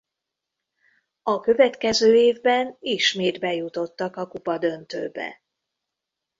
A következő évben ismét bejutottak a kupadöntőbe.